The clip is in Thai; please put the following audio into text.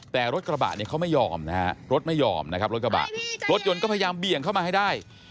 แต่รถกระบะเขาไม่ยอมนะครับรถยนต์ก็พยายามเบี่ยงเข้ามาให้ได้